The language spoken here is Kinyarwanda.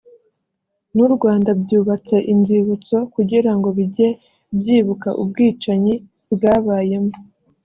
n’u Rwanda byubatse inzibutso kugira ngo bijye byibuka ubwicanyi bwabayemo